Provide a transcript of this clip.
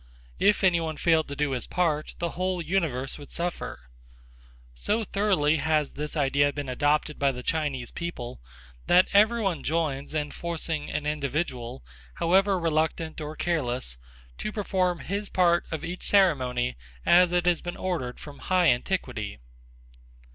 If any one failed to do his part, the whole universe would suffer. So thoroughly has this idea been adopted by the Chinese people that every one joins in forcing an individual, however reluctant or careless, to perform his part of each ceremony as it has been ordered from high antiquity.